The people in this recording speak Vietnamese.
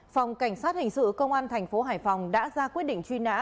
phòng cảnh sát hình sự công an thành phố hải phòng đã ra quyết định truy nã